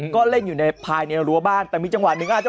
ก็เล่นอยู่ในภายในรั้วบ้านแต่มีจังหวัดนึงฮะ